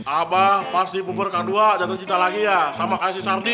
abang pas di bubur k dua jatuh cita lagi ya sama kaya si sardi